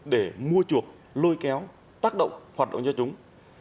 để mua chuộc lôi kéo tác động hoạt động cho chúng